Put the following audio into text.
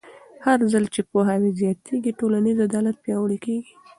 هرځل چې پوهاوی زیاتېږي، ټولنیز عدالت پیاوړی کېږي.